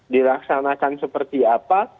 dilaksanakan seperti apa